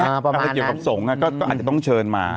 อาจจะเกี่ยวกับสงฆ์ก็อาจจะต้องเชิญมา